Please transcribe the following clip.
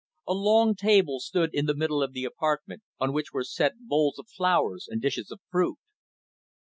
A long table stood in the middle of the apartment, on which were set bowls of flowers and dishes of fruit.